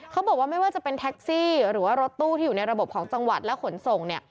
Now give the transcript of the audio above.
เขาบอกว่าไม่ว่าจะเป็นแท็กซี่หรือว่ารถตู้ที่อยู่ในระบบของจังหวัดและขนส่ง